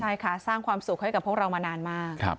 ใช่ค่ะสร้างความสุขให้กับพวกเรามานานมาก